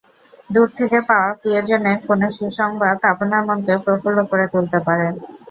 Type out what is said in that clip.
দূর থেকে পাওয়া প্রিয়জনের কোনো সুসংবাদ আপনার মনকে প্রফুল্ল করে তুলতে পারে।